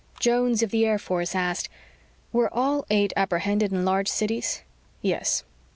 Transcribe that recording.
Jones of the Air Force asked, "Were all eight apprehended in large cities?" "Yes."